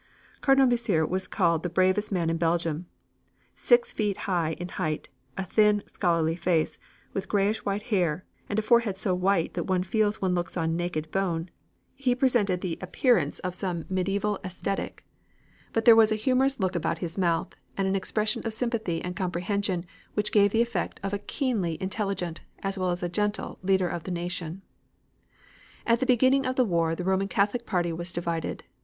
Cardinal Mercier was called the bravest man in Belgium. Six feet five in height, a thin, scholarly face, with grayish white hair, and a forehead so white that one feels one looks on the naked bone, he presented the appearance of some medieval ascetic. But there was a humorous look about his mouth, and an expression of sympathy and comprehension which gave the effect of a keenly intelligent, as well as gentle, leader of the nation. At the beginning of the war the Roman Catholic party was divided.